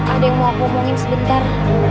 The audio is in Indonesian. ada yang mau aku omongin sebentar